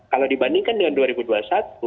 kalau dibandingkan dengan dua ribu dua puluh satu